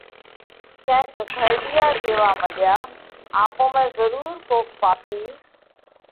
ڪينڪ گھرڍِيئا ڪيوا مڏيا: آپون ۾ ضرُور ڪوڪ پاپِي